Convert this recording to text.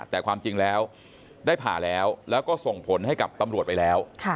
แต่ความจริงแล้วได้ผ่าแล้วแล้วก็ส่งผลให้กับตำรวจไปแล้ว